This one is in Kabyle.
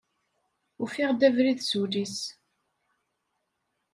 Ufiɣ-d abrid s ul-is.